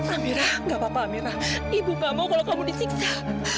amira nggak apa apa amira ibu nggak mau kalau kamu disiksa